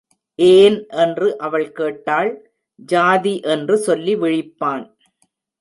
ஏன் என்று அவள் கேட்டாள், ஜாதி என்று சொல்லி விழிப்பான்.